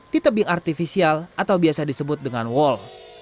di tebing artifisial atau biasa disebut dengan wall